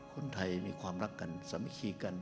คนไทยมีความรักกันสามัคคีกัน